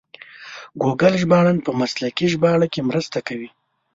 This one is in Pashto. ګوګل ژباړن په مسلکي ژباړه کې مرسته کوي.